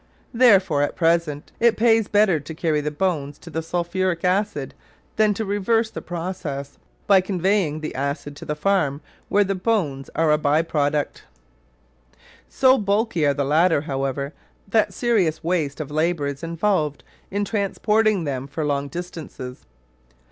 Therefore it at present pays better to carry the bones to the sulphuric acid than to reverse the procedure by conveying the acid to the farm, where the bones are a by product. So bulky are the latter, however, that serious waste of labour is involved in transporting them for long distances.